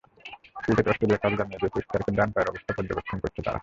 Cricket Australia কাল জানিয়ে দিয়েছে স্টার্কের ডান পায়ের অবস্থা পর্যবেক্ষণ করছে তারা।